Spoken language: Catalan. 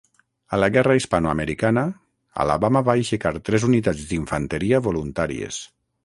A la guerra hispanoamericana, Alabama va aixecar tres unitats d'infanteria voluntàries.